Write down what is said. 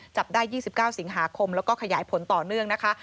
จับได้๒๙สิงหาคมแล้วก็ขยายผลต่อเนื่องนะคะ